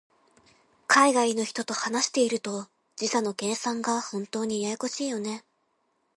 海外の人と話していると、時差の計算が本当にややこしいよね。